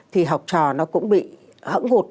thì học trò nó cũng bị hẫng hụt